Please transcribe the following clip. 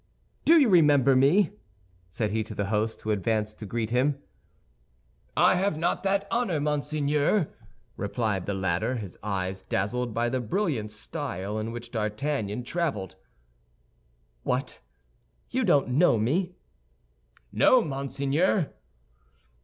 "Do you remember me?" said he to the host, who advanced to greet him. "I have not that honor, monseigneur," replied the latter, his eyes dazzled by the brilliant style in which D'Artagnan traveled. "What, you don't know me?" "No, monseigneur."